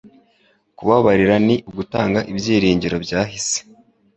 Kubabarira ni ugutanga ibyiringiro byahise.